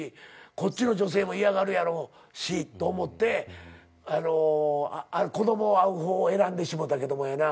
こっちの女性も嫌がるやろうしと思って子供会う方を選んでしもうたけどもやな。